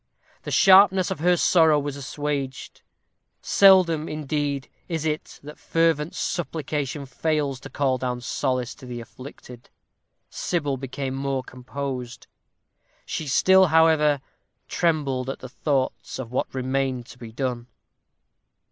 The sharpness of her sorrow was assuaged. Seldom, indeed, is it that fervent supplication fails to call down solace to the afflicted. Sybil became more composed. She still, however, trembled at the thoughts of what remained to be done.